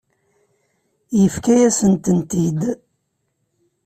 Yefka-yasent-tent-id.